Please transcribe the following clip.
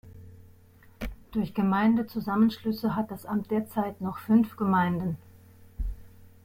Durch Gemeindezusammenschlüsse hat das Amt derzeit noch fünf Gemeinden.